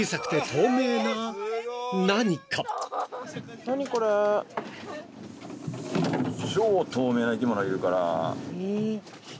超透明な生き物いるから。